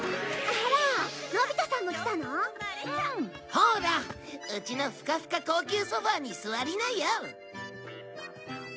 ほらうちのフカフカ高級ソファに座りなよ。